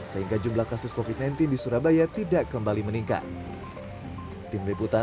sehingga jumlah kasus covid sembilan belas di surabaya tidak kembali meningkat